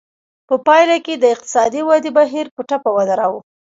په پایله کې د اقتصادي ودې بهیر په ټپه ودراوه.